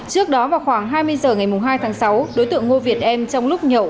trước đó vào khoảng hai mươi h ngày hai tháng sáu đối tượng ngô việt em trong lúc nhậu